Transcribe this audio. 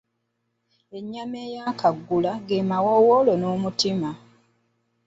Ennyama ey'akaggula ge mawoowoolo n'omutima.